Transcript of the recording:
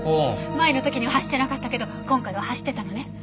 前の時には走ってなかったけど今回は走ってたのね。